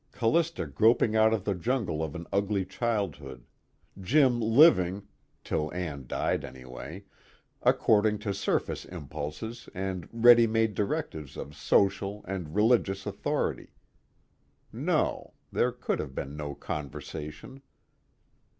_ Callista groping out of the jungle of an ugly childhood, Jim living (till Ann died anyway) according to surface impulses and ready made directives of social and religious authority no, there could have been no conversation.